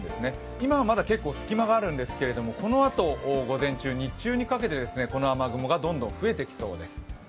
今はまだ結構隙間があるんですけれども、このあと午前中日中にかけてこの雨雲がどんどん増えてきそうです。